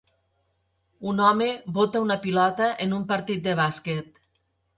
Un home bota una pilota en un partit de bàsquet.